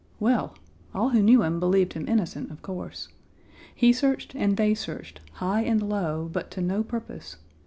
Well! all who knew him believed him innocent, of course. He searched and they searched, high and low, but to no purpose.